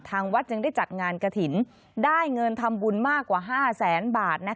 ทางวัดจึงได้จัดงานกฐินได้เงินทำบุญมากกว่า๕๐๐๐๐๐บาท